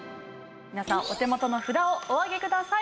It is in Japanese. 皆さんお手元の札をお上げください。